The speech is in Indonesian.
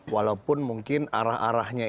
walaupun mungkin arah arahnya itu